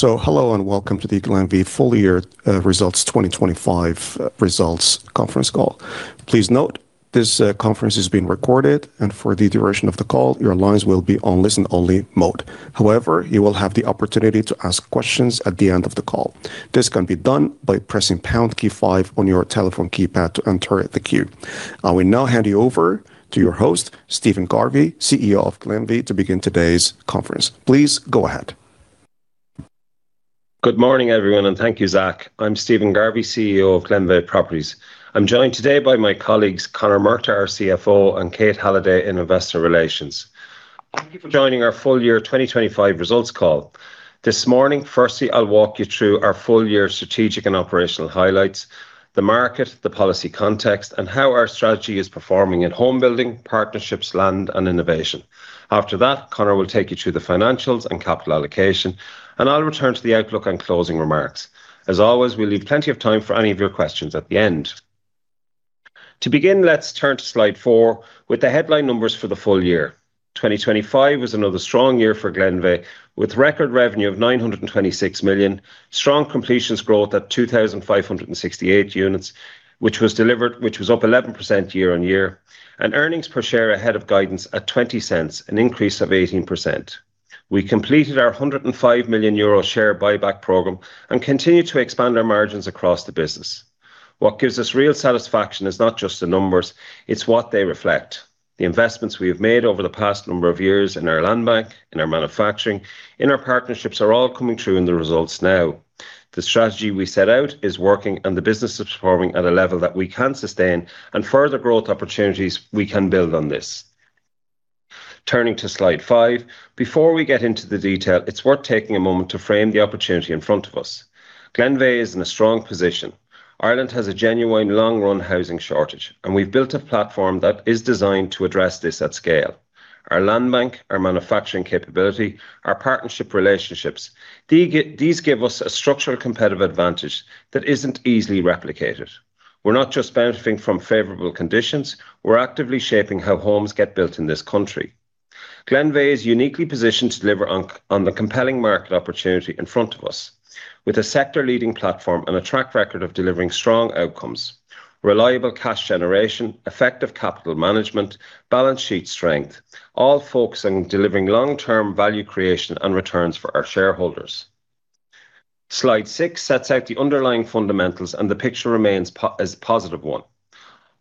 Hello and welcome to the Glenveagh full year results 2025 results conference call. Please note this conference is being recorded, and for the duration of the call, your lines will be on listen-only mode. However, you will have the opportunity to ask questions at the end of the call. This can be done by pressing pound key five on your telephone keypad to enter the queue. I will now hand you over to your host, Stephen Garvey, CEO of Glenveagh, to begin today's conference. Please go ahead. Good morning, everyone, and thank you, Zach. I'm Stephen Garvey, CEO of Glenveagh Properties. I'm joined today by my colleagues, Conor Murtagh, our CFO, and Kate Halliday in Investor Relations. Thank you for joining our full year 2025 results call. This morning, firstly, I'll walk you through our full year strategic and operational highlights, the market, the policy context, and how our strategy is performing in home building, partnerships, land, and innovation. After that, Conor will take you through the financials and capital allocation, and I'll return to the outlook and closing remarks. As always, we leave plenty of time for any of your questions at the end. To begin, let's turn to slide 4 with the headline numbers for the full year. 2025 was another strong year for Glenveagh with record revenue of 926 million, strong completions growth at 2,568 units, which was up 11% year-on-year, and earnings per share ahead of guidance at 0.20, an increase of 18%. We completed our 105 million euro share buyback program and continued to expand our margins across the business. What gives us real satisfaction is not just the numbers, it's what they reflect. The investments we have made over the past number of years in our land bank, in our manufacturing, in our partnerships, are all coming through in the results now. The strategy we set out is working and the business is performing at a level that we can sustain and further growth opportunities we can build on this. Turning to slide 5. Before we get into the detail, it's worth taking a moment to frame the opportunity in front of us. Glenveagh is in a strong position. Ireland has a genuine long-run housing shortage, and we've built a platform that is designed to address this at scale. Our land bank, our manufacturing capability, our partnership relationships, these give us a structural competitive advantage that isn't easily replicated. We're not just benefiting from favorable conditions, we're actively shaping how homes get built in this country. Glenveagh is uniquely positioned to deliver on the compelling market opportunity in front of us with a sector-leading platform and a track record of delivering strong outcomes, reliable cash generation, effective capital management, balance sheet strength, all focused on delivering long-term value creation and returns for our shareholders. Slide 6 sets out the underlying fundamentals, and the picture remains a positive one.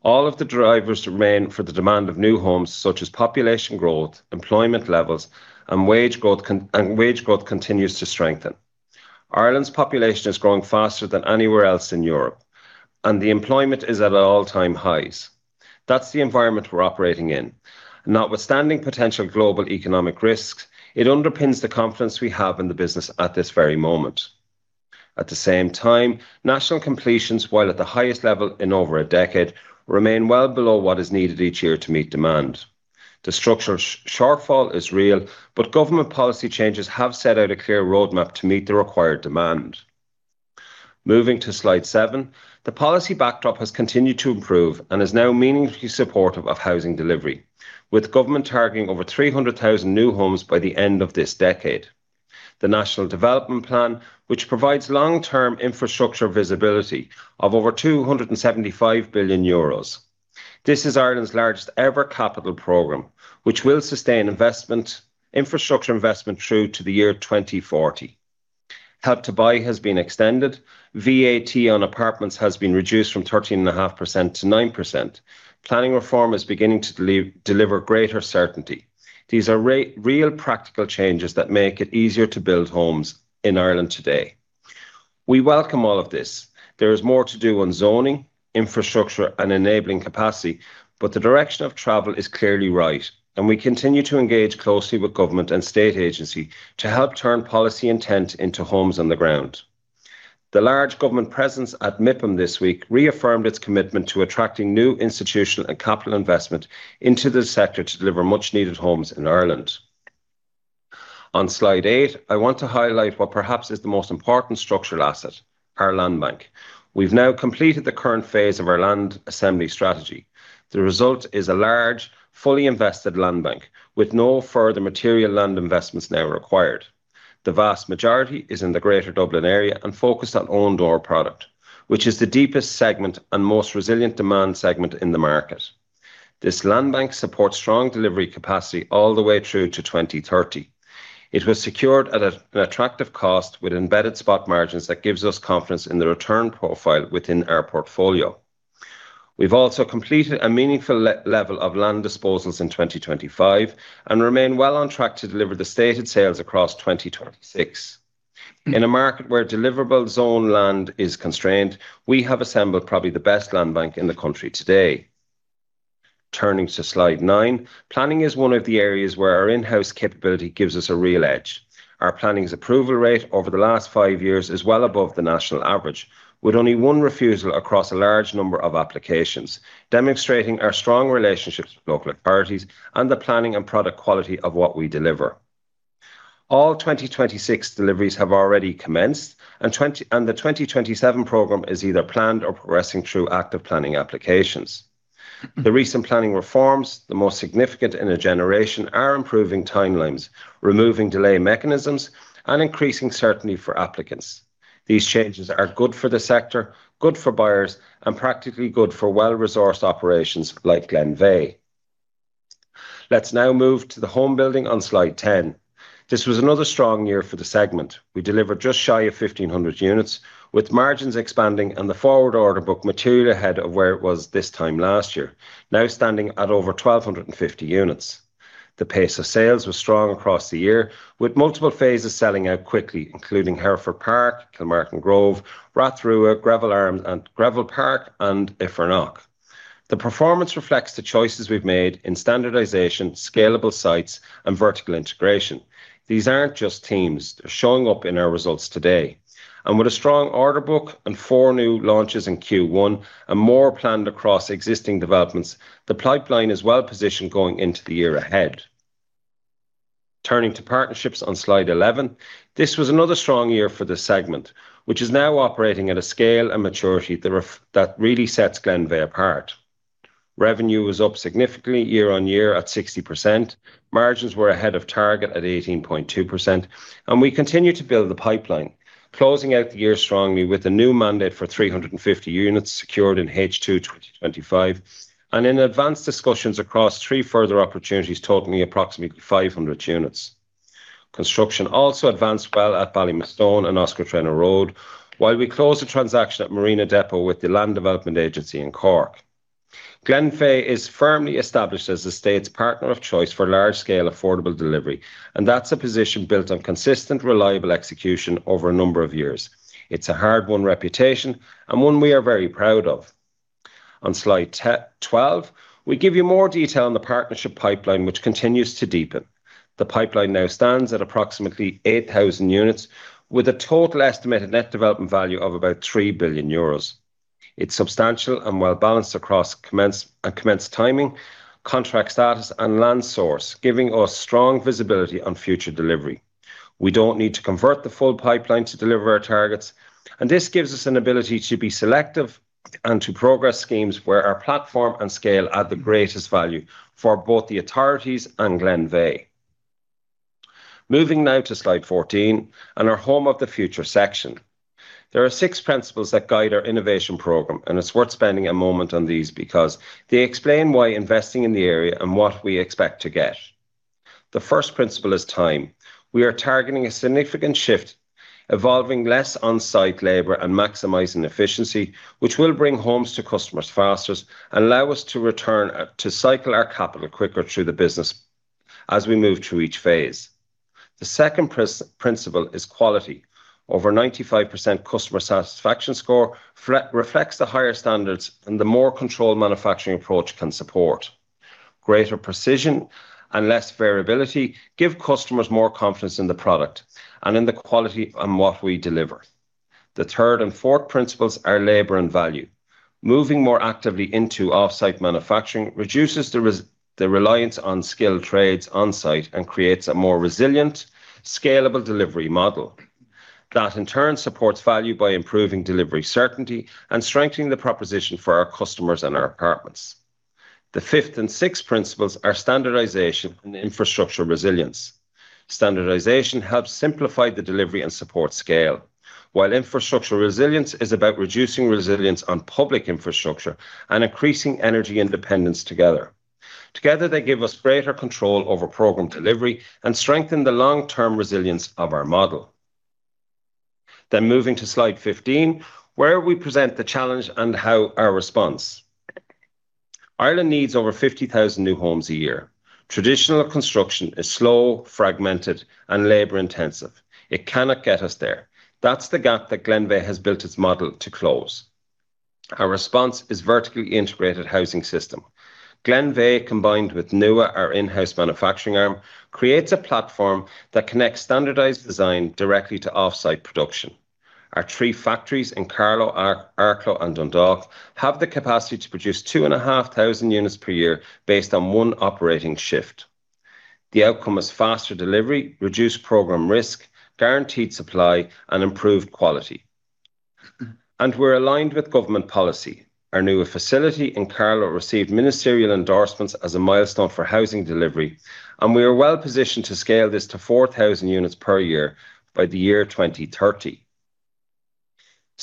All of the drivers remain for the demand of new homes, such as population growth, employment levels, and wage growth and wage growth continues to strengthen. Ireland's population is growing faster than anywhere else in Europe, and the employment is at an all-time high. That's the environment we're operating in. Notwithstanding potential global economic risks, it underpins the confidence we have in the business at this very moment. At the same time, national completions, while at the highest level in over a decade, remain well below what is needed each year to meet demand. The structural shortfall is real, but government policy changes have set out a clear roadmap to meet the required demand. Moving to slide 7. The policy backdrop has continued to improve and is now meaningfully supportive of housing delivery, with government targeting over 300,000 new homes by the end of this decade. The National Development Plan, which provides long-term infrastructure visibility of over 275 billion euros. This is Ireland's largest ever capital program, which will sustain investment, infrastructure investment through to the year 2040. Help to Buy has been extended. VAT on apartments has been reduced from 13.5% to 9%. Planning reform is beginning to deliver greater certainty. These are real, practical changes that make it easier to build homes in Ireland today. We welcome all of this. There is more to do on zoning, infrastructure, and enabling capacity, but the direction of travel is clearly right, and we continue to engage closely with government and state agency to help turn policy intent into homes on the ground. The large government presence at MIPIM this week reaffirmed its commitment to attracting new institutional and capital investment into the sector to deliver much-needed homes in Ireland. On slide 8, I want to highlight what perhaps is the most important structural asset, our land bank. We've now completed the current phase of our land assembly strategy. The result is a large, fully invested land bank with no further material land investments now required. The vast majority is in the greater Dublin area and focused on own door product, which is the deepest segment and most resilient demand segment in the market. This land bank supports strong delivery capacity all the way through to 2030. It was secured at an attractive cost with embedded spot margins that gives us confidence in the return profile within our portfolio. We've also completed a meaningful level of land disposals in 2025 and remain well on track to deliver the stated sales across 2026. In a market where deliverable zoned land is constrained, we have assembled probably the best land bank in the country today. Turning to slide 9. Planning is one of the areas where our in-house capability gives us a real edge. Our planning approval rate over the last five years is well above the national average, with only one refusal across a large number of applications, demonstrating our strong relationships with local authorities and the planning and product quality of what we deliver. All 2026 deliveries have already commenced, and the 2027 program is either planned or progressing through active planning applications. The recent planning reforms, the most significant in a generation, are improving timelines, removing delay mechanisms and increasing certainty for applicants. These changes are good for the sector, good for buyers, and practically good for well-resourced operations like Glenveagh. Let's now move to the home building on slide 10. This was another strong year for the segment. We delivered just shy of 1,500 units, with margins expanding and the forward order book materially ahead of where it was this time last year, now standing at over 1,250 units. The pace of sales was strong across the year, with multiple phases selling out quickly, including Hereford Park, Kilmartin Grove, Rath Rua, Gravel Park and Evernock. The performance reflects the choices we've made in standardization, scalable sites and vertical integration. These aren't just teams. They're showing up in our results today. With a strong order book and 4 new launches in Q1 and more planned across existing developments, the pipeline is well-positioned going into the year ahead. Turning to partnerships on slide eleven, this was another strong year for this segment, which is now operating at a scale and maturity that really sets Glenveagh apart. Revenue was up significantly year-on-year at 60%. Margins were ahead of target at 18.2%. We continue to build the pipeline, closing out the year strongly with a new mandate for 350 units secured in H2 2025 and in advanced discussions across three further opportunities totaling approximately 500 units. Construction also advanced well at Ballymastone and Oscar Traynor Road while we closed the transaction at Marina Depot with the Land Development Agency in Cork. Glenveagh is firmly established as the state's partner of choice for large-scale affordable delivery, and that's a position built on consistent, reliable execution over a number of years. It's a hard-won reputation and one we are very proud of. On slide twelve, we give you more detail on the partnership pipeline, which continues to deepen. The pipeline now stands at approximately 8,000 units with a total estimated net development value of about 3 billion euros. It's substantial and well-balanced across commence timing, contract status and land source, giving us strong visibility on future delivery. We don't need to convert the full pipeline to deliver our targets, and this gives us an ability to be selective and to progress schemes where our platform and scale add the greatest value for both the authorities and Glenveagh. Moving now to slide fourteen and our home of the future section. There are six principles that guide our innovation program, and it's worth spending a moment on these because they explain why investing in the area and what we expect to get. The first principle is time. We are targeting a significant shift, evolving less on-site labor and maximizing efficiency, which will bring homes to customers faster and allow us to return to cycle our capital quicker through the business as we move through each phase. The second principle is quality. Over 95% customer satisfaction score reflects the higher standards and the more controlled manufacturing approach can support. Greater precision and less variability give customers more confidence in the product and in the quality and what we deliver. The third and fourth principles are labor and value. Moving more actively into off-site manufacturing reduces the reliance on skilled trades on-site and creates a more resilient, scalable delivery model that in turn supports value by improving delivery certainty and strengthening the proposition for our customers and our partners. The fifth and sixth principles are standardization and infrastructure resilience. Standardization helps simplify the delivery and support scale, while infrastructure resilience is about reducing reliance on public infrastructure and increasing energy independence together. Together, they give us greater control over program delivery and strengthen the long-term resilience of our model. Moving to slide 15, where we present the challenge and how our response. Ireland needs over 50,000 new homes a year. Traditional construction is slow, fragmented and labor-intensive. It cannot get us there. That's the gap that Glenveagh has built its model to close. Our response is vertically integrated housing system. Glenveagh, combined with Nua, our in-house manufacturing arm, creates a platform that connects standardized design directly to off-site production. Our three factories in Carlow, Arklow and Dundalk have the capacity to produce 2,500 units per year based on one operating shift. The outcome is faster delivery, reduced program risk, guaranteed supply and improved quality. We're aligned with government policy. Our Nua facility in Carlow received ministerial endorsements as a milestone for housing delivery, and we are well positioned to scale this to 4,000 units per year by the year 2030.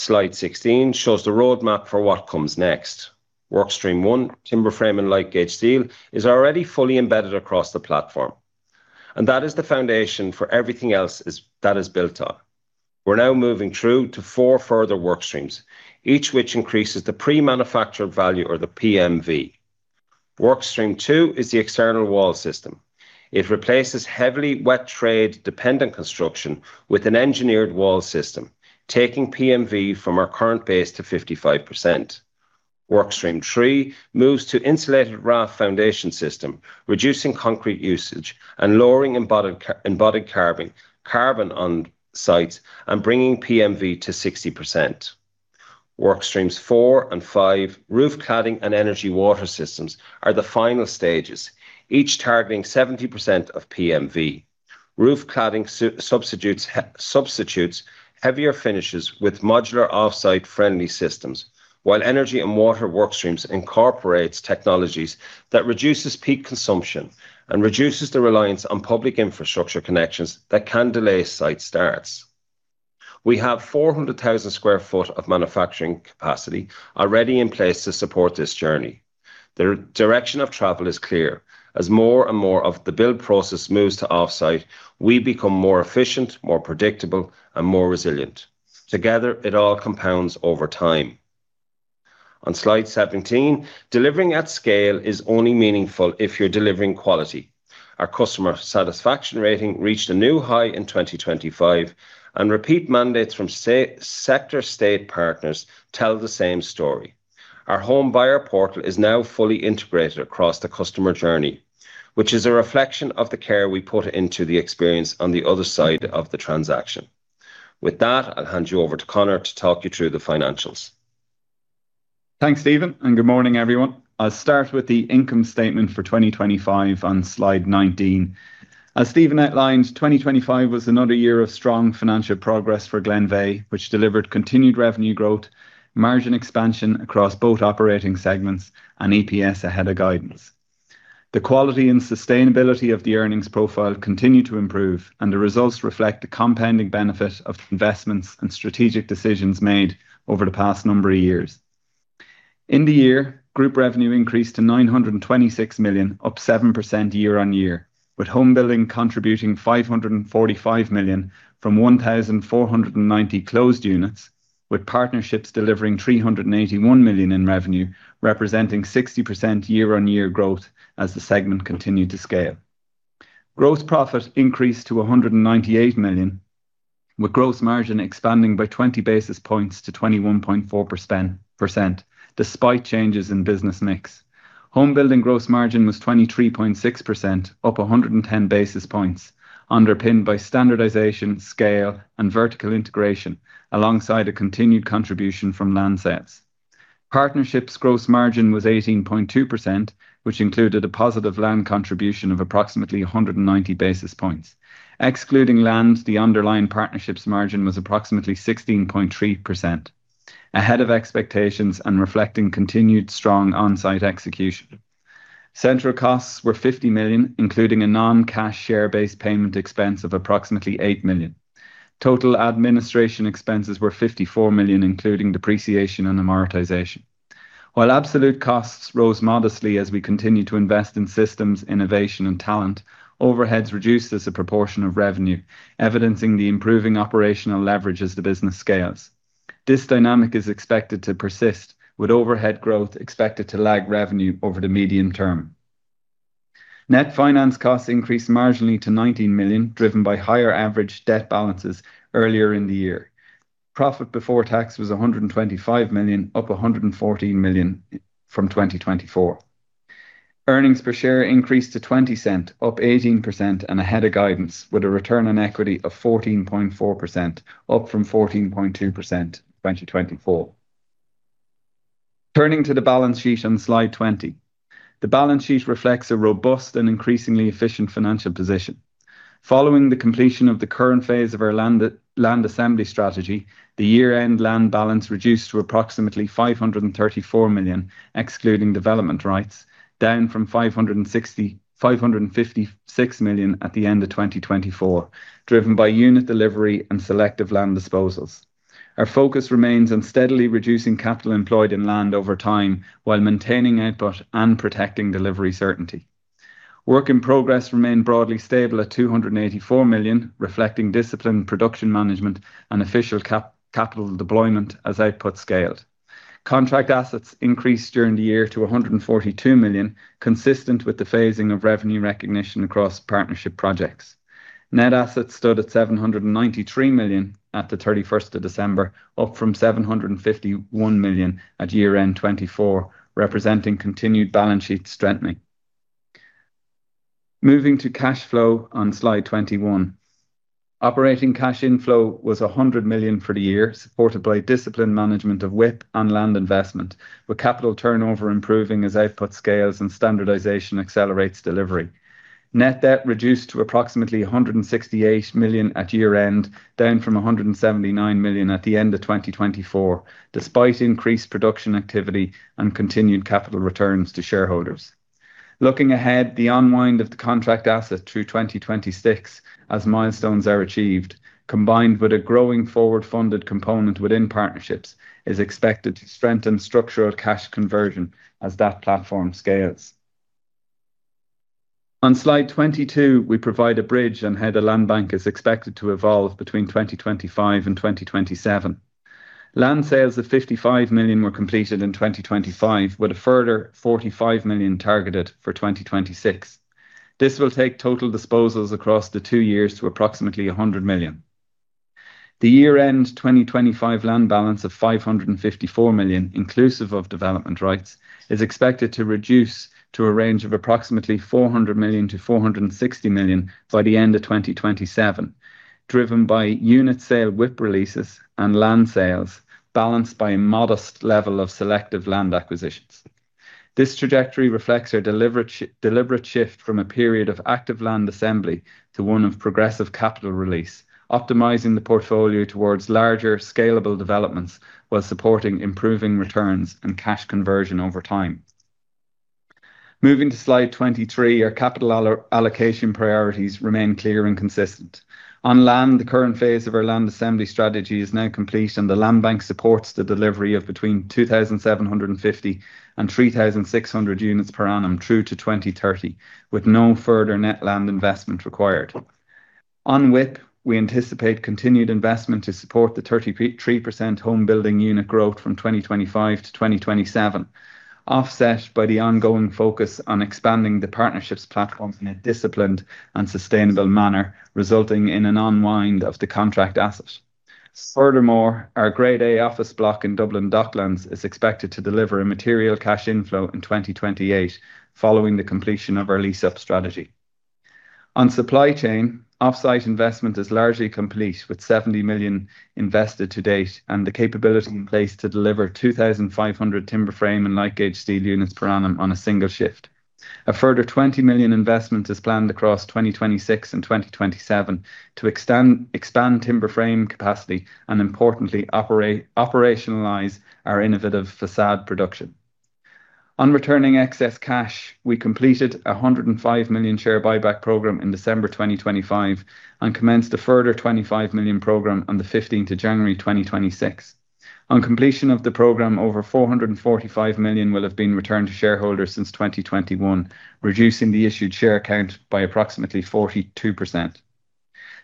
Slide 16 shows the roadmap for what comes next. Workstream one, timber frame and light gauge steel, is already fully embedded across the platform. That is the foundation for everything else that is built on. We're now moving through to four further workstreams, each which increases the Pre-Manufactured Value or the PMV. Workstream two is the external wall system. It replaces heavily wet trade-dependent construction with an engineered wall system, taking PMV from our current base to 55%. Workstream three moves to insulated raft foundation system, reducing concrete usage and lowering embodied carbon on site and bringing PMV to 60%. Workstreams four and five, roof cladding and energy water systems, are the final stages, each targeting 70% of PMV. Roof cladding substitutes heavier finishes with modular off-site friendly systems. While energy and water work streams incorporates technologies that reduces peak consumption and reduces the reliance on public infrastructure connections that can delay site starts. We have 400,000 sq ft of manufacturing capacity already in place to support this journey. The direction of travel is clear. As more and more of the build process moves to offsite, we become more efficient, more predictable and more resilient. Together, it all compounds over time. On slide 17, delivering at scale is only meaningful if you're delivering quality. Our customer satisfaction rating reached a new high in 2025, and repeat mandates from state sector partners tell the same story. Our home buyer portal is now fully integrated across the customer journey, which is a reflection of the care we put into the experience on the other side of the transaction. With that, I'll hand you over to Conor to talk you through the financials. Thanks, Stephen, and good morning everyone. I'll start with the income statement for 2025 on slide 19. As Stephen outlined, 2025 was another year of strong financial progress for Glenveagh, which delivered continued revenue growth, margin expansion across both operating segments, and EPS ahead of guidance. The quality and sustainability of the earnings profile continued to improve, and the results reflect the compounding benefit of investments and strategic decisions made over the past number of years. In the year, group revenue increased to 926 million, up 7% year-on-year, with home building contributing 545 million from 1,490 closed units, with partnerships delivering 381 million in revenue, representing 60% year-on-year growth as the segment continued to scale. Gross profit increased to 198 million, with gross margin expanding by 20 basis points to 21.4%, despite changes in business mix. Home building gross margin was 23.6%, up 110 basis points, underpinned by standardization, scale and vertical integration, alongside a continued contribution from land sales. Partnerships gross margin was 18.2%, which included a positive land contribution of approximately 190 basis points. Excluding land, the underlying partnerships margin was approximately 16.3%, ahead of expectations and reflecting continued strong on-site execution. Central costs were 50 million, including a non-cash share-based payment expense of approximately 8 million. Total administration expenses were 54 million, including depreciation and amortization. While absolute costs rose modestly as we continued to invest in systems, innovation and talent, overheads reduced as a proportion of revenue, evidencing the improving operational leverage as the business scales. This dynamic is expected to persist, with overhead growth expected to lag revenue over the medium term. Net finance costs increased marginally to 19 million, driven by higher average debt balances earlier in the year. Profit before tax was 125 million, up 114 million from 2024. Earnings per share increased to 0.20, up 18% and ahead of guidance, with a return on equity of 14.4%, up from 14.2% in 2024. Turning to the balance sheet on slide 20. The balance sheet reflects a robust and increasingly efficient financial position. Following the completion of the current phase of our land assembly strategy, the year-end land balance reduced to approximately 534 million, excluding development rights, down from 556 million at the end of 2024, driven by unit delivery and selective land disposals. Our focus remains on steadily reducing capital employed in land over time while maintaining output and protecting delivery certainty. Work in progress remained broadly stable at 284 million, reflecting disciplined production management and capital deployment as output scaled. Contract assets increased during the year to 142 million, consistent with the phasing of revenue recognition across partnership projects. Net assets stood at 793 million at December 31, up from 751 million at year-end 2024, representing continued balance sheet strengthening. Moving to cash flow on slide 21. Operating cash inflow was 100 million for the year, supported by disciplined management of WIP and land investment, with capital turnover improving as output scales and standardization accelerates delivery. Net debt reduced to approximately 168 million at year-end, down from 179 million at the end of 2024, despite increased production activity and continued capital returns to shareholders. Looking ahead, the unwind of the contract asset through 2026 as milestones are achieved, combined with a growing forward-funded component within partnerships, is expected to strengthen structural cash conversion as that platform scales. On slide 22, we provide a bridge on how the land bank is expected to evolve between 2025 and 2027. Land sales of 55 million were completed in 2025, with a further 45 million targeted for 2026. This will take total disposals across the two years to approximately 100 million. The year-end 2025 land balance of 554 million, inclusive of development rights, is expected to reduce to a range of approximately 400 million-460 million by the end of 2027, driven by unit sale WIP releases and land sales balanced by a modest level of selective land acquisitions. This trajectory reflects our deliberate shift from a period of active land assembly to one of progressive capital release, optimizing the portfolio towards larger scalable developments while supporting improving returns and cash conversion over time. Moving to slide 23, our capital allocation priorities remain clear and consistent. On land, the current phase of our land assembly strategy is now complete, and the land bank supports the delivery of between 2,750 and 3,600 units per annum through to 2030, with no further net land investment required. On WIP, we anticipate continued investment to support the 33% home building unit growth from 2025 to 2027, offset by the ongoing focus on expanding the partnerships platforms in a disciplined and sustainable manner, resulting in an unwind of the contract asset. Furthermore, our grade A office block in Dublin Docklands is expected to deliver a material cash inflow in 2028 following the completion of our lease-up strategy. On supply chain, off-site investment is largely complete, with 70 million invested to date and the capability in place to deliver 2,500 timber frame and light gauge steel units per annum on a single shift. A further 20 million investment is planned across 2026 and 2027 to expand timber frame capacity and importantly, operationalize our innovative façade production. On returning excess cash, we completed a 105 million share buyback program in December 2025 and commenced a further 25 million program on the 15th of January 2026. On completion of the program, over 445 million will have been returned to shareholders since 2021, reducing the issued share count by approximately 42%.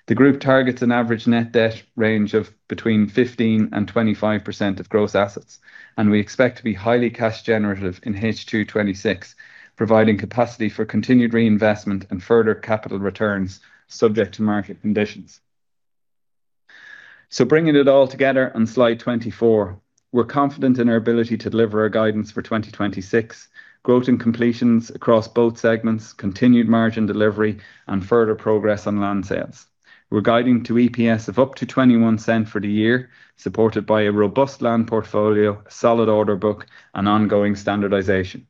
The group targets an average net debt range of between 15%-25% of gross assets, and we expect to be highly cash generative in H2 2026, providing capacity for continued reinvestment and further capital returns subject to market conditions. Bringing it all together on slide 24. We're confident in our ability to deliver our guidance for 2026, growth in completions across both segments, continued margin delivery, and further progress on land sales. We're guiding to EPS of up to 0.21 for the year, supported by a robust land portfolio, a solid order book, and ongoing standardization.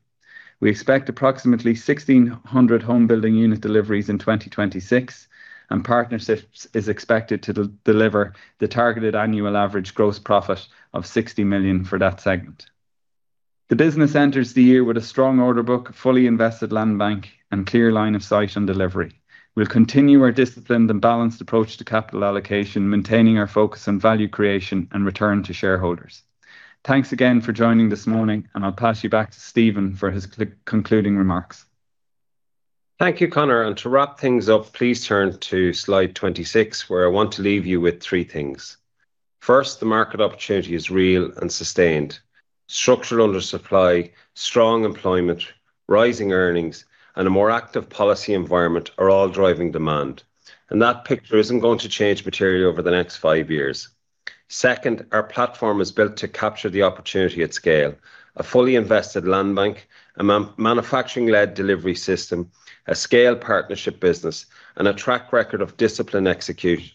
We expect approximately 1,600 home building unit deliveries in 2026, and partnerships is expected to deliver the targeted annual average gross profit of 60 million for that segment. The business enters the year with a strong order book, fully invested land bank, and clear line of sight on delivery. We'll continue our disciplined and balanced approach to capital allocation, maintaining our focus on value creation and return to shareholders. Thanks again for joining this morning, and I'll pass you back to Stephen for his concluding remarks. Thank you, Conor, and to wrap things up, please turn to slide 26, where I want to leave you with three things. First, the market opportunity is real and sustained. Structural undersupply, strong employment, rising earnings, and a more active policy environment are all driving demand. That picture isn't going to change materially over the next five years. Second, our platform is built to capture the opportunity at scale. A fully invested land bank, a manufacturing-led delivery system, a scale partnership business, and a track record of disciplined execution.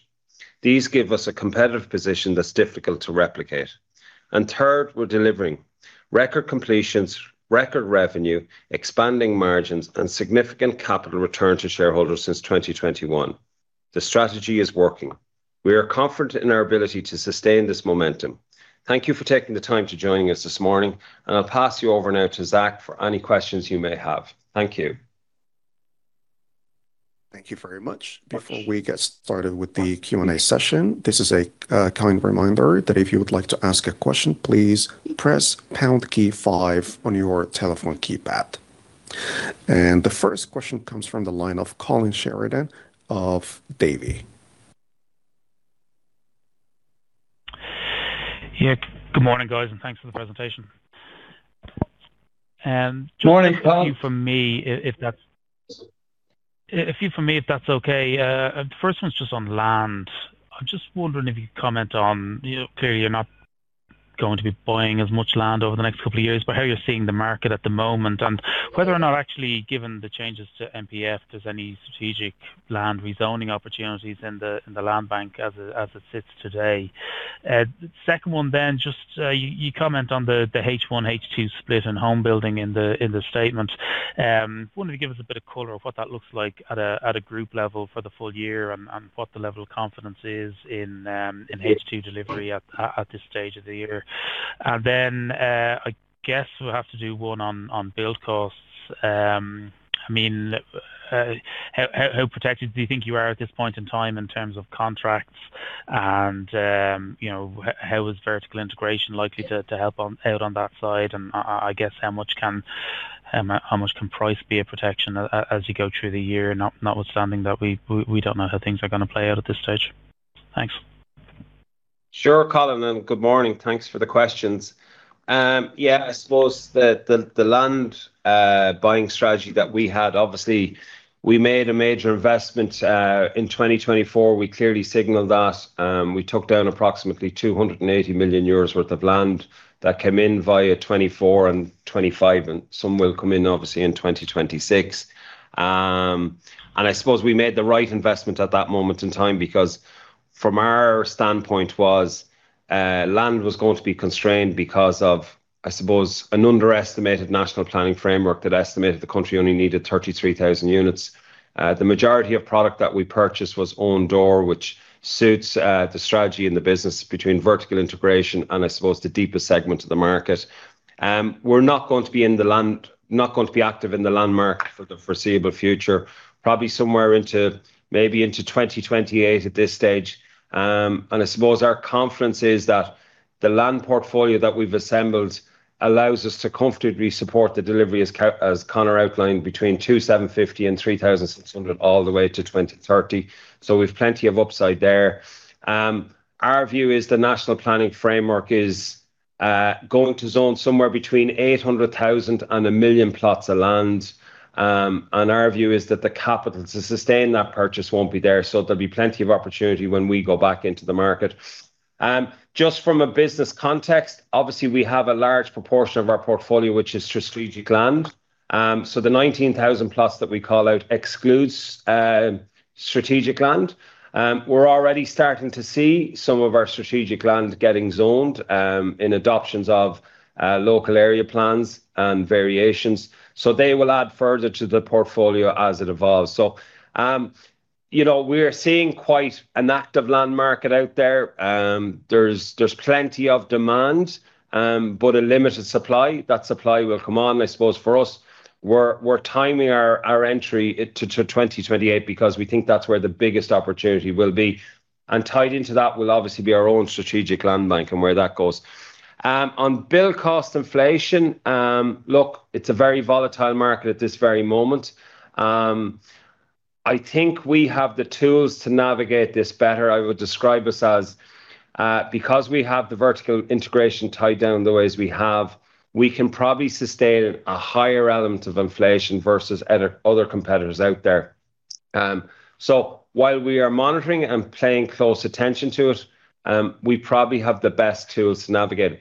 These give us a competitive position that's difficult to replicate. Third, we're delivering. Record completions, record revenue, expanding margins, and significant capital return to shareholders since 2021. The strategy is working. We are confident in our ability to sustain this momentum. Thank you for taking the time to join us this morning, and I'll pass you over now to Zach for any questions you may have. Thank you. Thank you very much. Before we get started with the Q&A session, this is a kind reminder that if you would like to ask a question, please press pound key five on your telephone keypad. The first question comes from the line of Colin Sheridan of Davy. Yeah. Good morning, guys, and thanks for the presentation. Morning, Colin. A few from me, if that's okay. The first one's just on land. I'm just wondering if you could comment on, you know, clearly you're not going to be buying as much land over the next couple of years, but how you're seeing the market at the moment. Whether or not actually, given the changes to NPF, there's any strategic land rezoning opportunities in the land bank as it sits today. Second one then, just, you comment on the H1, H2 split in home building in the statement. Wanted to give us a bit of color on what that looks like at a group level for the full year and what the level of confidence is in H2 delivery at this stage of the year. Then, I guess we'll have to do one on build costs. I mean, how protected do you think you are at this point in time in terms of contracts and, you know, how is vertical integration likely to help out on that side? I guess how much can price be a protection as you go through the year? Notwithstanding that we don't know how things are gonna play out at this stage. Thanks. Sure, Colin, and good morning. Thanks for the questions. Yeah, I suppose the land buying strategy that we had, obviously we made a major investment in 2024. We clearly signaled that. We took down approximately 280 million euros worth of land that came in via 2024 and 2025, and some will come in obviously in 2026. I suppose we made the right investment at that moment in time, because from our standpoint, land was going to be constrained because of, I suppose, an underestimated National Planning Framework that estimated the country only needed 33,000 units. The majority of product that we purchased was own door, which suits the strategy and the business between vertical integration and I suppose the deepest segment of the market. We're not going to be active in the land market for the foreseeable future, probably somewhere into, maybe into 2028 at this stage. I suppose our confidence is that the land portfolio that we've assembled allows us to comfortably support the delivery, as Conor outlined, between 2,750 and 3,600 all the way to 2030. We've plenty of upside there. Our view is the National Planning Framework is going to zone somewhere between 800,000 and 1,000,000 plots of land. Our view is that the capital to sustain that purchase won't be there, so there'll be plenty of opportunity when we go back into the market. Just from a business context, obviously we have a large proportion of our portfolio which is strategic land. The 19,000+ that we call out excludes strategic land. We're already starting to see some of our strategic land getting zoned in adoptions of local area plans and variations. They will add further to the portfolio as it evolves. You know, we're seeing quite an active land market out there. There's plenty of demand, but a limited supply. That supply will come on. I suppose for us, we're timing our entry into 2028 because we think that's where the biggest opportunity will be. Tied into that will obviously be our own strategic land bank and where that goes. On build cost inflation, look, it's a very volatile market at this very moment. I think we have the tools to navigate this better. I would describe us as, because we have the vertical integration tied down the way as we have, we can probably sustain a higher element of inflation versus other competitors out there. While we are monitoring and paying close attention to it, we probably have the best tools to navigate.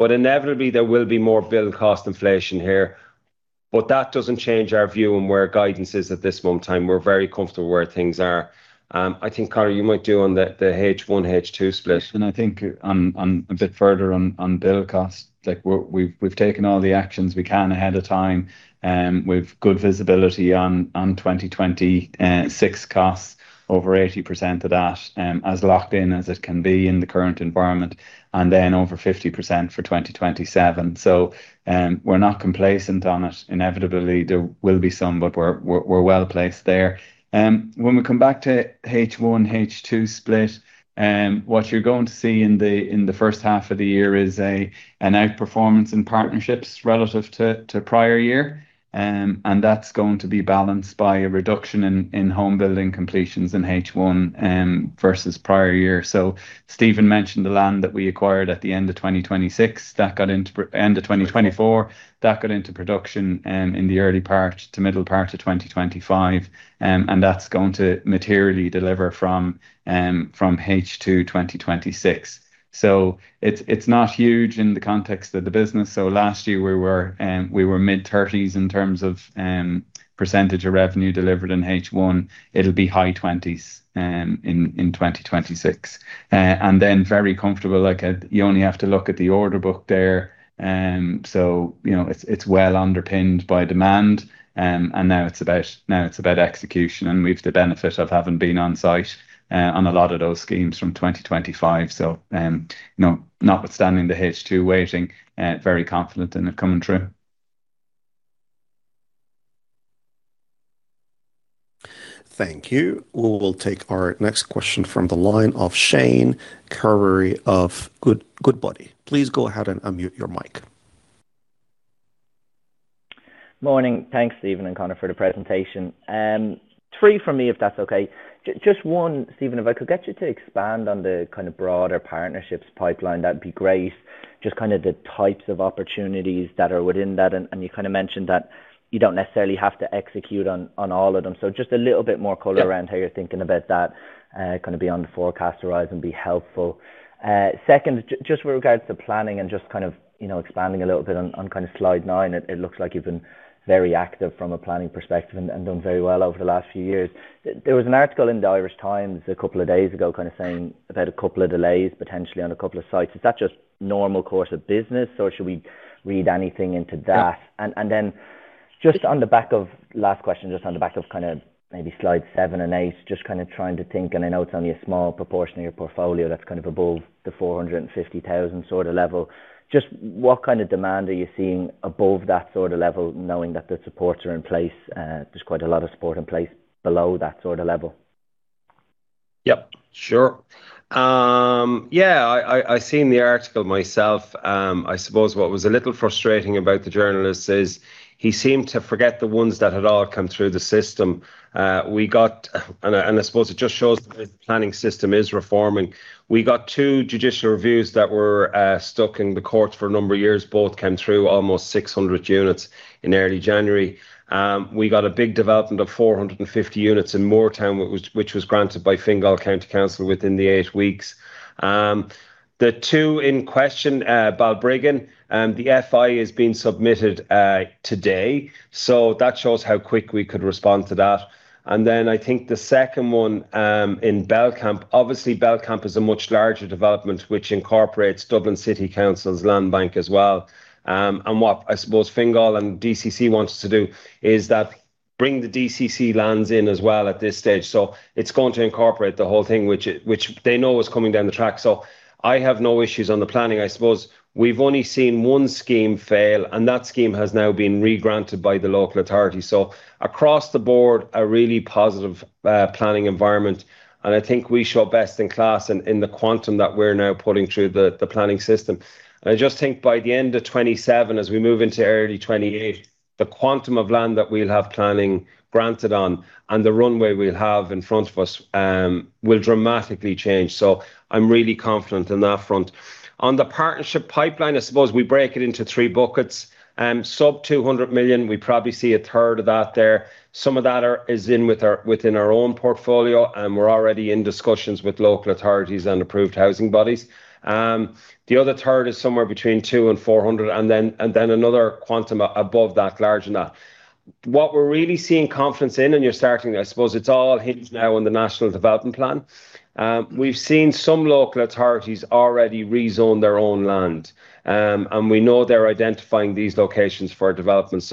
Inevitably there will be more build cost inflation here. That doesn't change our view on where guidance is at this moment in time. We're very comfortable where things are. I think, Conor, you might do on the H1, H2 split. I think on a bit further on build cost, like we've taken all the actions we can ahead of time. We've good visibility on 2026 costs, over 80% of that as locked in as it can be in the current environment, and then over 50% for 2027. We're not complacent on it. Inevitably, there will be some, but we're well-placed there. When we come back to H1, H2 split, what you're going to see in the first half of the year is an outperformance in partnerships relative to prior year. That's going to be balanced by a reduction in home building completions in H1 versus prior year. Stephen mentioned the land that we acquired at the end of 2024, that got into production in the early part to middle part of 2025. And that's going to materially deliver from H2 2026. It's not huge in the context of the business. Last year we were mid-30s% in terms of percentage of revenue delivered in H1. It'll be high 20s% in 2026. And then very comfortable. Like, you only have to look at the order book there. You know, it's well underpinned by demand. And now it's about execution, and we've the benefit of having been on site on a lot of those schemes from 2025.You know, notwithstanding the H2 weighting, very confident in it coming through. Thank you. We will take our next question from the line of Shane Carberry of Goodbody. Please go ahead and unmute your mic. Morning. Thanks, Stephen and Conor, for the presentation. Three from me, if that's okay. Just one, Stephen, if I could get you to expand on the kind of broader partnerships pipeline, that'd be great. Just kind of the types of opportunities that are within that and you kind of mentioned that you don't necessarily have to execute on all of them. So just a little bit more color around how you're thinking about that kind of beyond the forecast horizon would be helpful. Second, just with regards to planning and just kind of you know, expanding a little bit on kind of slide nine, it looks like you've been very active from a planning perspective and done very well over the last few years. There was an article in The Irish Times a couple of days ago kind of saying about a couple of delays potentially on a couple of sites. Is that just normal course of business, or should we read anything into that? Just on the back of last question, kind of maybe slide 7 and 8, just kind of trying to think, and I know it's only a small proportion of your portfolio that's kind of above the 450,000 sort of level. Just what kind of demand are you seeing above that sort of level, knowing that the supports are in place? There's quite a lot of support in place below that sort of level. Yep. Sure. Yeah, I seen the article myself. I suppose what was a little frustrating about the journalist is he seemed to forget the ones that had all come through the system. We got two judicial reviews that were stuck in the courts for a number of years. Both came through almost 600 units in early January. We got a big development of 450 units in Mooretown, which was granted by Fingal County Council within the eight weeks. The two in question, Balbriggan, the FI is being submitted today. That shows how quick we could respond to that. I think the second one in Belcamp. Obviously, Belcamp is a much larger development which incorporates Dublin City Council's land bank as well. What I suppose Fingal and DCC wants to do is to bring the DCC lands in as well at this stage. It's going to incorporate the whole thing, which they know is coming down the track. I have no issues on the planning. I suppose we've only seen one scheme fail, and that scheme has now been re-granted by the local authority. Across the board, a really positive planning environment, and I think we show best in class in the quantum that we're now putting through the planning system. I just think by the end of 2027, as we move into early 2028, the quantum of land that we'll have planning granted on and the runway we'll have in front of us will dramatically change. So I'm really confident on that front. On the partnership pipeline, I suppose we break it into three buckets. Sub 200 million, we probably see a third of that there. Some of that is within our own portfolio, and we're already in discussions with local authorities and approved housing bodies. The other third is somewhere between 200 million and 400 million, and then another quantum above that, larger than that. What we're really seeing confidence in, and you're starting there, I suppose it's all hinged now on the National Development Plan. We've seen some local authorities already rezone their own land, and we know they're identifying these locations for development.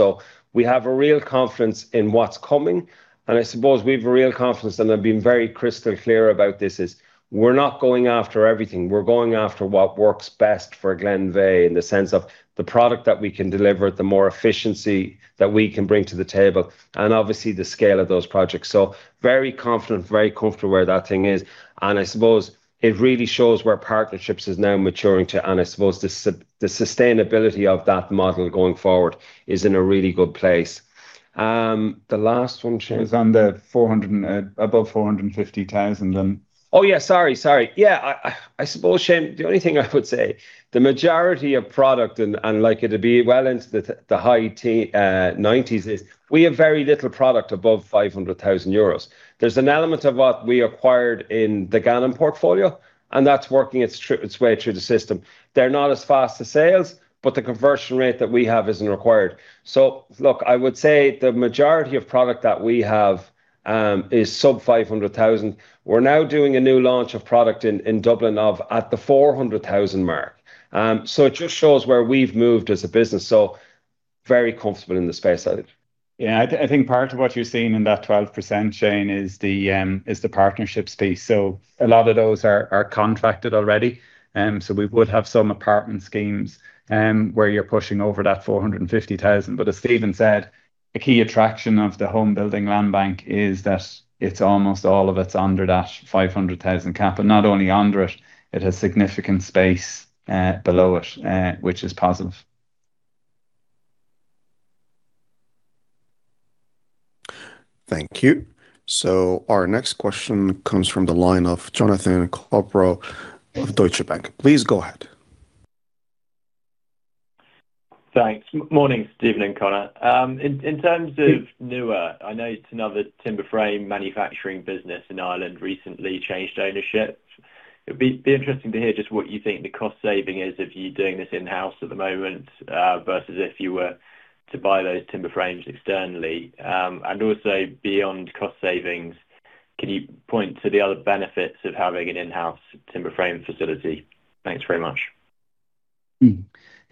We have a real confidence in what's coming, and I suppose we've a real confidence, and I've been very crystal clear about this, is we're not going after everything. We're going after what works best for Glenveagh in the sense of the product that we can deliver, the more efficiency that we can bring to the table, and obviously the scale of those projects. Very confident, very comfortable where that thing is, and I suppose it really shows where partnerships is now maturing to. I suppose the sustainability of that model going forward is in a really good place. The last one, Shane. Is on the 400 and above 450,000 then. Sorry. I suppose, Shane, the only thing I would say, the majority of product and likely to be well into the high nineties is we have very little product above 500,000 euros. There's an element of what we acquired in the Kells portfolio, and that's working its way through the system. They're not as fast as sales, but the conversion rate that we have isn't required. Look, I would say the majority of product that we have is sub 500,000. We're now doing a new launch of product in Dublin at the 400,000 mark. It just shows where we've moved as a business. Very comfortable in the space side. Yeah. I think part of what you're seeing in that 12%, Shane, is the partnership space. A lot of those are contracted already, so we would have some apartment schemes where you're pushing over that 450,000. As Stephen said, a key attraction of the home building land bank is that it's almost all of it's under that 500,000 cap. Not only under it has significant space below it, which is positive. Thank you. Our next question comes from the line of Jonathan Kearns of Deutsche Bank. Please go ahead. Thanks. Morning, Stephen and Conor. In terms of- Please NUA, I know it's another timber frame manufacturing business in Ireland recently changed ownership. It'd be interesting to hear just what you think the cost saving is if you're doing this in-house at the moment, versus if you were to buy those timber frames externally. And also beyond cost savings, can you point to the other benefits of having an in-house timber frame facility? Thanks very much.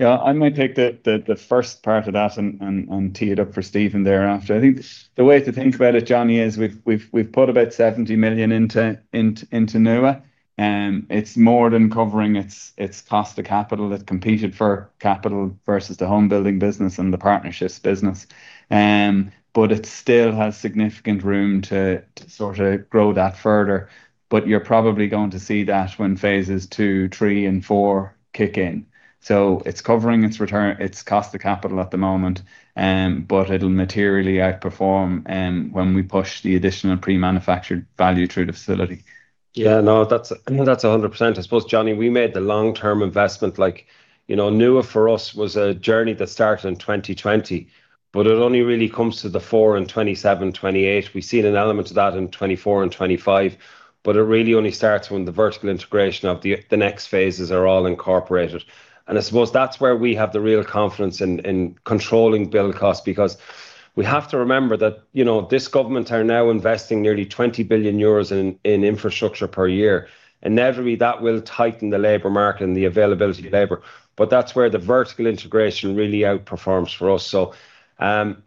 I might take the first part of that and tee it up for Stephen thereafter. I think the way to think about it, Johnny, is we've put about 70 million into NUA. It's more than covering its cost to capital. It competed for capital versus the home building business and the partnerships business. It still has significant room to sort of grow that further. You're probably going to see that when phases two, three, and four kick in. It's covering its return, its cost to capital at the moment, but it'll materially outperform when we push the additional Pre-Manufactured Value through the facility. Yeah. No, that's, I think that's 100%. I suppose, Johnny, we made the long-term investment like, you know, NUA for us was a journey that started in 2020, but it only really comes to the fore in 2027, 2028. We've seen an element of that in 2024 and 2025, but it really only starts when the vertical integration of the next phases are all incorporated. I suppose that's where we have the real confidence in controlling build costs because we have to remember that, you know, this government are now investing nearly 20 billion euros in infrastructure per year. Inevitably, that will tighten the labor market and the availability of labor, but that's where the vertical integration really outperforms for us.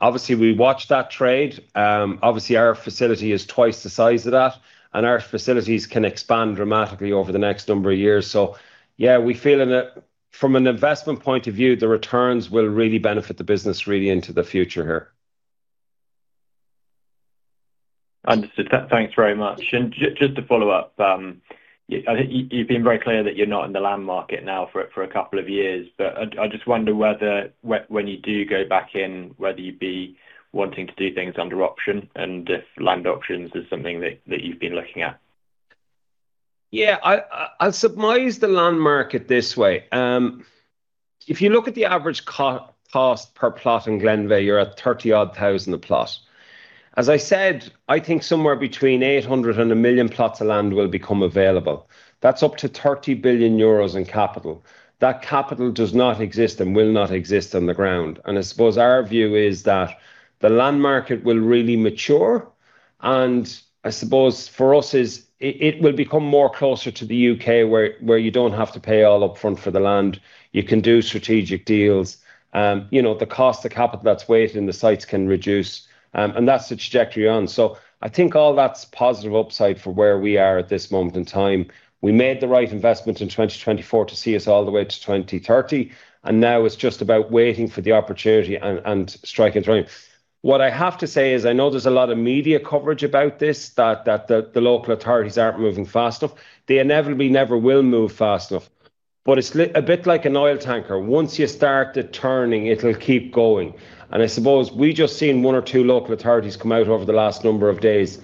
Obviously we watch that trade. Obviously our facility is twice the size of that, and our facilities can expand dramatically over the next number of years. Yeah, we feel from an investment point of view, the returns will really benefit the business really into the future here. Understood. Thanks very much. Just to follow up, I think you've been very clear that you're not in the land market now for a couple of years. But I just wonder whether when you do go back in, whether you'd be wanting to do things under option and if land options is something that you've been looking at. Yeah. I'll surmise the land market this way. If you look at the average cost per plot in Glenveagh, you're at 30-odd thousand a plot. As I said, I think somewhere between 800 and 1 million plots of land will become available. That's up to 30 billion euros in capital. That capital does not exist and will not exist on the ground. I suppose our view is that the land market will really mature, and I suppose for us, it will become closer to the U.K. where you don't have to pay all up front for the land. You can do strategic deals. You know, the cost of capital that's weighed in the sites can reduce, and that's the trajectory we're on. I think all that's positive upside for where we are at this moment in time. We made the right investment in 2024 to see us all the way to 2030, and now it's just about waiting for the opportunity and striking through. What I have to say is I know there's a lot of media coverage about this that the local authorities aren't moving fast enough. They inevitably never will move fast enough. But it's a bit like an oil tanker. Once you start it turning, it'll keep going. I suppose we've just seen one or two local authorities come out over the last number of days,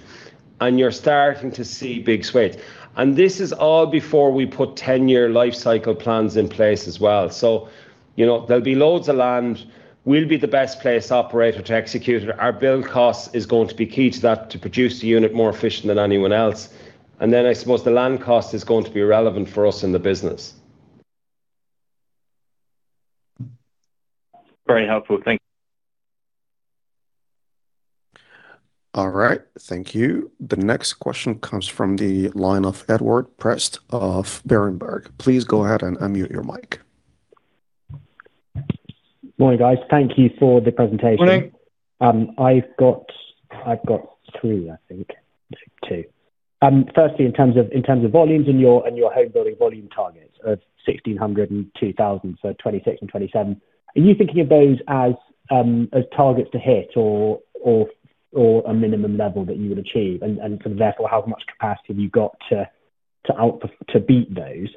and you're starting to see big swings. This is all before we put 10-year life cycle plans in place as well. You know, there'll be loads of land. We'll be the best placed operator to execute it. Our build cost is going to be key to that to produce the unit more efficient than anyone else. I suppose the land cost is going to be irrelevant for us in the business. Very helpful. Thanks. All right. Thank you. The next question comes from the line of Edward Prest of Berenberg. Please go ahead and unmute your mic. Morning, guys. Thank you for the presentation. Morning. I've got three, I think. Two. Firstly, in terms of volumes in your home building volume targets of 1,600 and 2,000, so 2026 and 2027. Are you thinking of those as targets to hit or a minimum level that you would achieve? Sort of therefore, how much capacity have you got to beat those?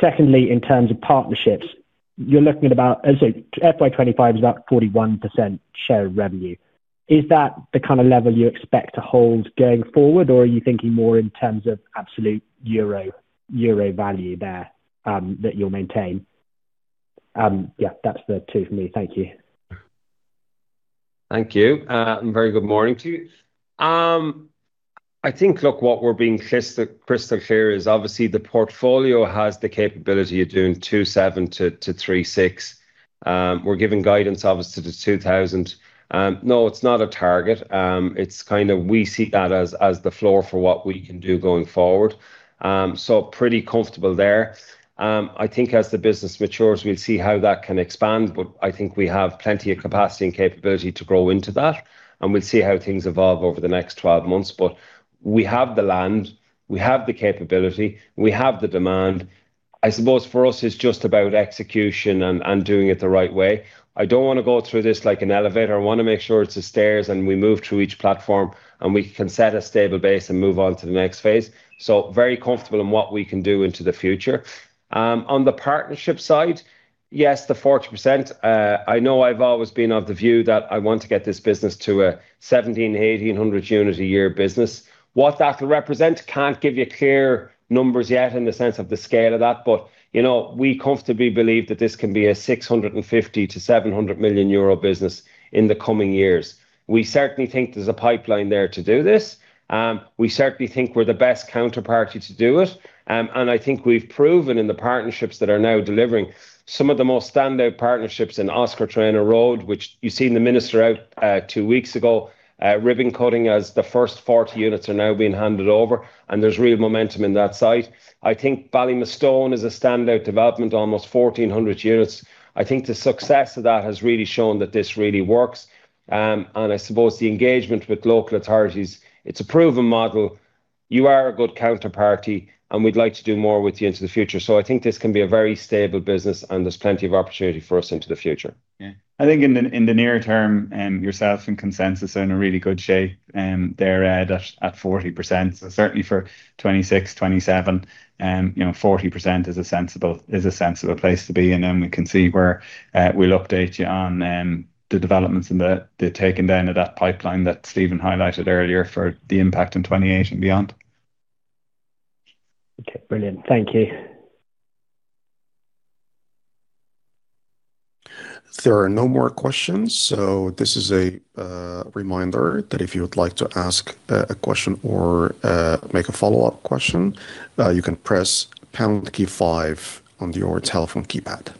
Secondly, in terms of partnerships, you're looking at about, say, FY 2025 is about 41% share of revenue. Is that the kind of level you expect to hold going forward, or are you thinking more in terms of absolute euro value there that you'll maintain? Yeah, that's the two for me. Thank you. Thank you. Very good morning to you. I think, look, what we're being crystal clear is obviously the portfolio has the capability of doing 27-36. We're giving guidance obviously to the 2,000. No, it's not a target. It's kinda we see that as the floor for what we can do going forward. So pretty comfortable there. I think as the business matures, we'll see how that can expand, but I think we have plenty of capacity and capability to grow into that, and we'll see how things evolve over the next 12 months. We have the land, we have the capability, we have the demand. I suppose for us, it's just about execution and doing it the right way. I don't wanna go through this like an elevator. I wanna make sure it's the stairs, and we move through each platform, and we can set a stable base and move on to the next phase. Very comfortable in what we can do into the future. On the partnership side, yes, the 40%. I know I've always been of the view that I want to get this business to a 1,700-1,800 unit a year business. What that'll represent, can't give you clear numbers yet in the sense of the scale of that, but, you know, we comfortably believe that this can be a 650 million-700 million euro business in the coming years. We certainly think there's a pipeline there to do this. We certainly think we're the best counterparty to do it. I think we've proven in the partnerships that are now delivering some of the most standout partnerships in Oscar Traynor Road, which you've seen the minister out two weeks ago ribbon-cutting as the first 40 units are now being handed over, and there's real momentum in that site. I think Ballymastone is a standout development, almost 1,400 units. I think the success of that has really shown that this really works. I suppose the engagement with local authorities, it's a proven model. You are a good counterparty, and we'd like to do more with you into the future. I think this can be a very stable business, and there's plenty of opportunity for us into the future. Yeah. I think in the near term, yourself and Consensus are in a really good shape. There, Ed, at 40%. So certainly for 2026, 2027, you know, 40% is a sensible place to be. Then we can see where we'll update you on the developments and the taking down of that pipeline that Stephen highlighted earlier for the impact in 2028 and beyond. Okay. Brilliant. Thank you. There are no more questions, so this is a reminder that if you would like to ask a question or make a follow-up question, you can press pound key five on your telephone keypad.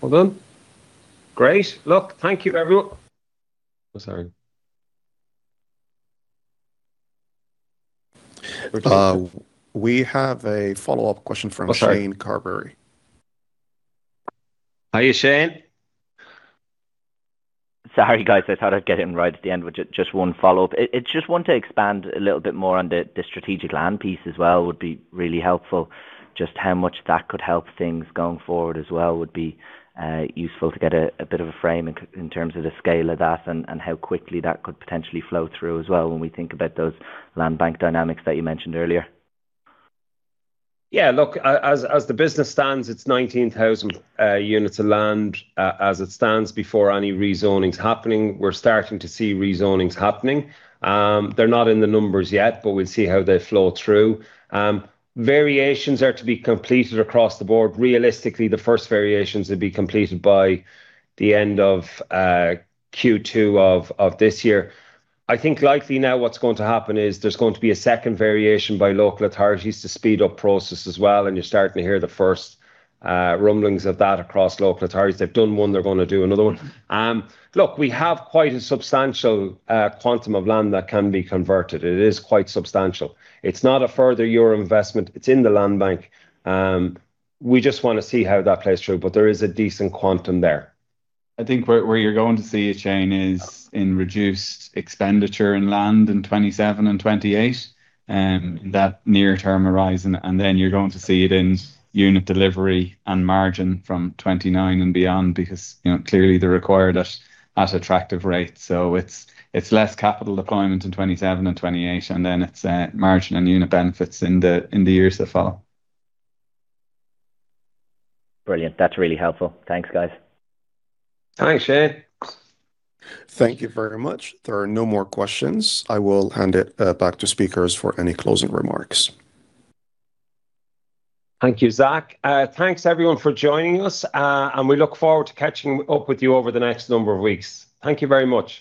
Well done. Great. Look, thank you, everyone. Oh, sorry. We have a follow-up question from Shane Carberry. Hi, Shane. Sorry, guys. I thought I'd get in right at the end with just one follow-up. I just want to expand a little bit more on the strategic land piece as well would be really helpful. Just how much that could help things going forward as well would be useful to get a bit of a frame in terms of the scale of that and how quickly that could potentially flow through as well when we think about those land bank dynamics that you mentioned earlier. Yeah. Look, as the business stands, it's 19,000 units of land as it stands before any rezonings happening. We're starting to see rezonings happening. They're not in the numbers yet, but we'll see how they flow through. Variations are to be completed across the board. Realistically, the first variations will be completed by the end of Q2 of this year. I think likely now what's going to happen is there's going to be a second variation by local authorities to speed up process as well, and you're starting to hear the first rumblings of that across local authorities. They've done one, they're gonna do another one. Look, we have quite a substantial quantum of land that can be converted. It is quite substantial. It's not a further euro investment. It's in the land bank. We just wanna see how that plays through. There is a decent quantum there. I think where you're going to see it, Shane, is in reduced expenditure in land in 2027 and 2028, that near term horizon, and then you're going to see it in unit delivery and margin from 2029 and beyond because, you know, clearly they require it at attractive rates. It's less capital deployment in 2027 and 2028, and then it's margin and unit benefits in the years that follow. Brilliant. That's really helpful. Thanks, guys. Thanks, Shane. Thank you very much. There are no more questions. I will hand it back to speakers for any closing remarks. Thank you, Zach. Thanks everyone for joining us, and we look forward to catching up with you over the next number of weeks. Thank you very much.